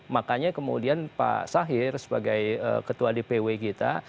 makanya kemudian pak sahir sebagai ketua dpw kita